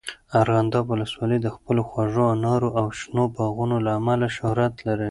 ارغنداب ولسوالۍ د خپلو خوږو انارو او شنو باغونو له امله شهرت لري.